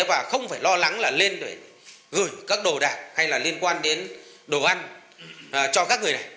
và không phải lo lắng là lên để gửi các đồ đạc hay là liên quan đến đồ ăn cho các người này